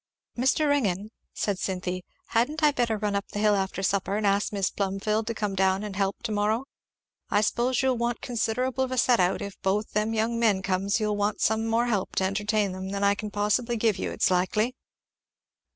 "Mr. Ringgan," said Cynthy, "hadn't I better run up the hill after supper, and ask Mis' Plumfield to come down and help to morrow? I suppose you'll want considerable of a set out; and if both them young men comes you'll want some more help to entertain 'em than I can give you, it's likely?"